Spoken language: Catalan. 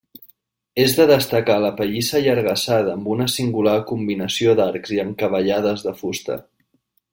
És de destacar la pallissa allargassada amb una singular combinació d'arcs i encavallades de fusta.